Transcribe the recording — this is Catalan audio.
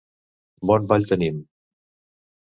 Bon ball tenim!